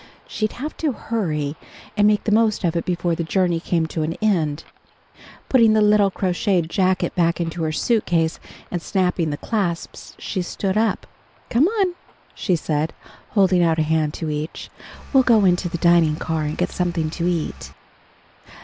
She'd have to hurry, and make the most of it before the journey came to an end. Putting the little crocheted jacket back into her suitcase and snapping the clasps she stood up. "Come on," she said, holding out a hand to each. "We'll go into the dining car and get something to eat."